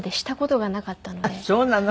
あっそうなの。